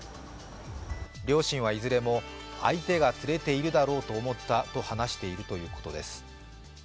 両親はいずれも相手が連れているだろうと思ったと話しているということです。